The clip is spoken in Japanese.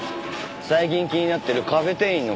最近気になってるカフェ店員の件か？